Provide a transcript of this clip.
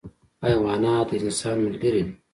حیوانات د انسان ملګري دي.